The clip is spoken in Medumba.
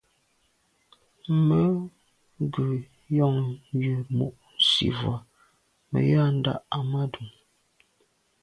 Mə́ gə̀ yɔ̌ŋ yə́ mû' nsî vwá mə̀ yə́ á ndǎ' Ahmadou.